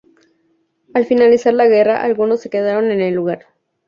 Al finalizar la guerra, algunos se quedaron en el lugar.